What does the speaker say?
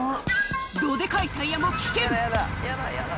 どでかいタイヤも危険。